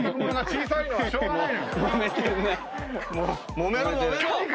もめろもめろ！